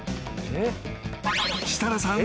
［設楽さん。